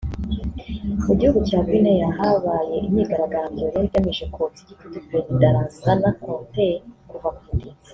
Mu gihugu cya Guinea habaye imyigaragambyo yari igamije kotsa igitutu perezida Lansana Conté kuva ku butegetsi